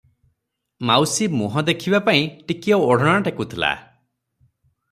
ମାଉସୀ ମୁହଁ ଦେଖିବାପାଇଁ ଟିକିଏ ଓଢ଼ଣା ଟେକୁଥିଲା ।